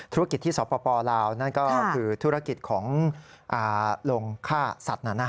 ธุรกิจที่สปลาวนั่นก็คือธุรกิจของลงฆ่าสัตว์